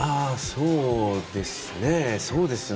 そうですね。